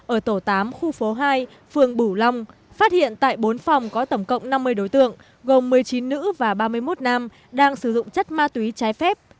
ở tổ tám khu phố hai phường bửu long phát hiện tại bốn phòng có tổng cộng năm mươi đối tượng gồm một mươi chín nữ và ba mươi một nam đang sử dụng chất ma túy trái phép